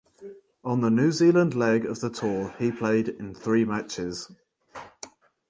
On the New Zealand leg of the tour he played in three matches.